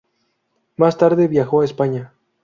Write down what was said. Más tarde viajó a España.